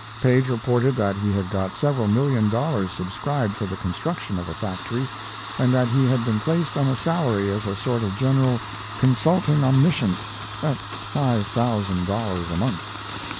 Paige reported that he had got several million dollars subscribed for the construction of a factory, and that he had been placed on a salary as a sort of general "consulting omniscient" at five thousand dollars a month.